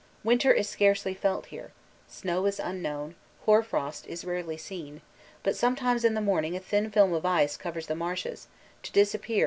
Winter is scarcely felt here: snow is unknown, hoar frost is rarely seen, but sometimes in the morning a thin film of ice covers the marshes, to disappear under the first rays of the sun.